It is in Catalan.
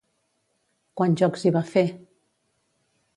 Quants jocs hi va fer?